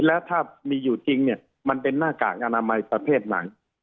แล้วถ้ามีอยู่จริงเนี่ยมันเป็นหน้ากากอนามัยประเภทไหน